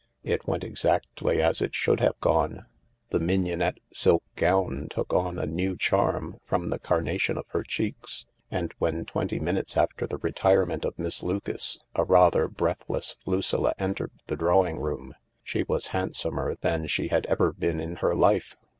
It went exactly as it should have gone. The mignonette silk gown took on a new charm from the carnation of her cheeks, and when, twenty minutes after the retirement of Miss Lucas, a rather breathless Lucilla entered the drawing room, she was hand somer than she had ever been in her life.